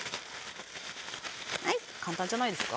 はい簡単じゃないですか？